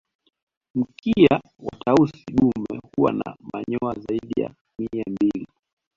Mkia wa Tausi dume huwa na manyoa zaidi ya Mia mbili